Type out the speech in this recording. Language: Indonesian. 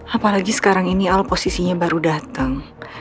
apalagi sekarang ini al posisinya baru datang